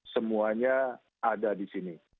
semuanya ada di sini